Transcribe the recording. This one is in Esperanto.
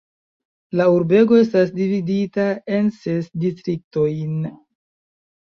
La urbego estas dividita en ses distriktojn.